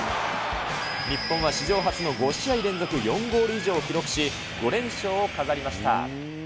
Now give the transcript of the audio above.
日本は史上初の５試合連続４ゴール以上を記録し、５連勝を飾りました。